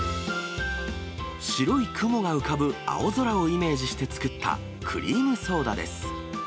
白い雲が浮かぶ青空をイメージして作ったクリームソーダです。